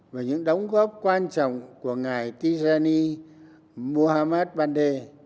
và những đóng góp quan trọng của ngài tijani muhammad bande